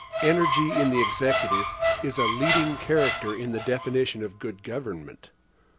Energy in the Executive is a leading character in the definition of good government.